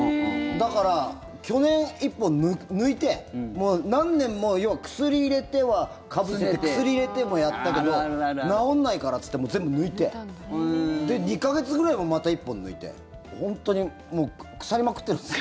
だから去年、１本抜いて何年も薬入れてはかぶせて薬入れてもやったけど治らないからっつって全部抜いて２か月ぐらいにもまた１本抜いて本当に腐りまくっているんです。